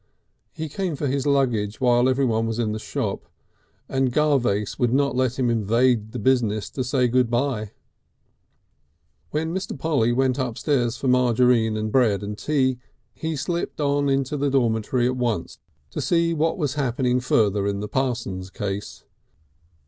He came for his luggage while every one was in the shop, and Garvace would not let him invade the business to say good by. When Mr. Polly went upstairs for margarine and bread and tea, he slipped on into the dormitory at once to see what was happening further in the Parsons case.